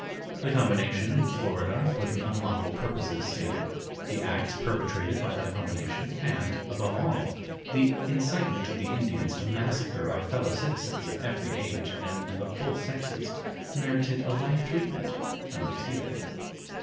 The combination in Florida for the unlawful purposes stated, the acts perpetrated by that combination, and, above all, the incitement of the Indians to massacre our fellow citizens of every age and of both sexes, merited a like treatment and received it.